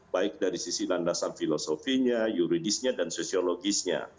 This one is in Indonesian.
baik dari sisi landasan filosofinya yuridisnya dan sosiologisnya